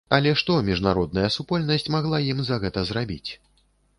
Але што міжнародная супольнасць магла ім за гэта зрабіць?